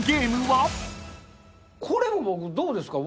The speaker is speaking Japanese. これも僕どうですか？